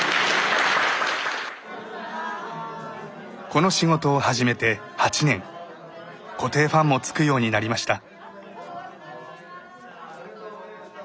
この仕事を始めて８年固定ファンもつくようになりました。